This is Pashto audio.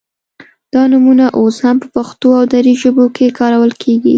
دا نومونه اوس هم په پښتو او دري ژبو کې کارول کیږي